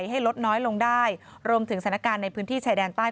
ให้ลดน้อยลงได้รวมถึงสถานการณ์ในพื้นที่ชายแดนใต้